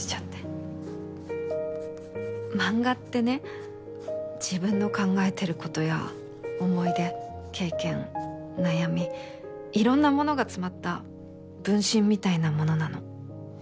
漫画ってね自分の考えてる事や思い出経験悩みいろんなものが詰まった分身みたいなものなの。